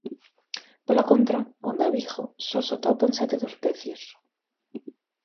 Pola contra, onda Vigo só se atopan sete dos pecios.